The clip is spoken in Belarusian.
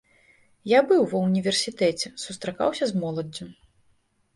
Я быў ва ўніверсітэце, сустракаўся з моладдзю.